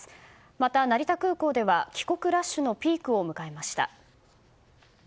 また成田空港では帰国ラッシュのピークを迎えました。